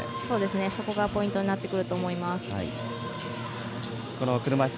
そこがポイントになってくると思います。